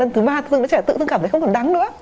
lần thứ ba tự cảm thấy không còn đắng nữa